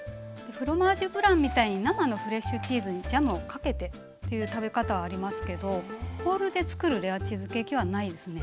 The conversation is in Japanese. フロマージュブランみたいに生のフレッシュチーズにジャムをかけてという食べ方はありますけどホールで作るレアチーズケーキはないですね。